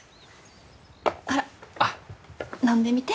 ほら飲んでみて。